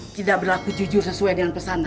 tidak berlaku jujur sesuai dengan pesan